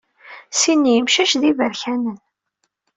Sin n yimcac d iberkanen.